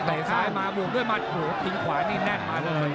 ซ้ายมาบวกด้วยมัดทิ้งขวานี่แน่นมาเลย